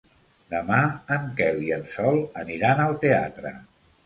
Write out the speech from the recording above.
Demà en Quel i en Sol aniran al teatre.